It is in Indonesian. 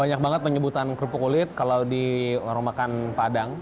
banyak banget penyebutan kerupuk kulit kalau di warung makan padang